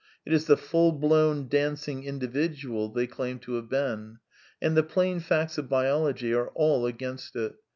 It is the full blown dancing individual they claim to have been. And the plain facts of biology are all against it.